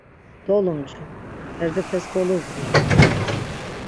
Dolumcu, perdepes goluzdi!